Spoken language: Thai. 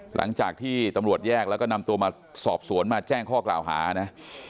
หลังจากที่ตำรวจแยกแล้วก็นำตัวมาสอบสวนมาแจ้งข้อกล่าวหานะ